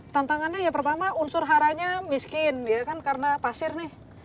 tantangannya ya pertama unsur haranya miskin ya kan karena pasir nih